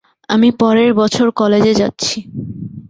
আমি পরের বছর কলেজে যাচ্ছি।